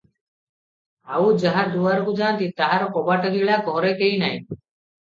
ଆଉ ଯାହା ଦୁଆରକୁ ଯା'ନ୍ତି, ତାହାର କବାଟ କିଳା, ଘରେ କେହି ନାହିଁ ।